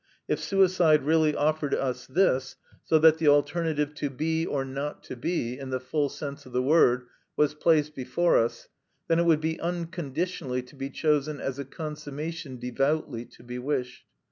If suicide really offered us this, so that the alternative "to be or not to be," in the full sense of the word, was placed before us, then it would be unconditionally to be chosen as "a consummation devoutly to be wished."